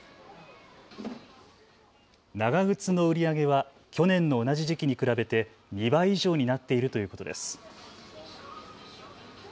長靴の売り上げは去年の同じ時期に比べて２倍以上になっているということです。